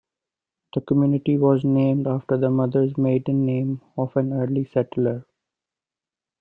The community was named after the mother's maiden name of an early settler.